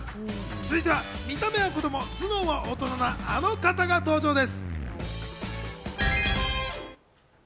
続いては見た目は子供、頭脳は大人なあの方が登場です。